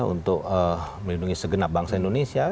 untuk melindungi segenap bangsa indonesia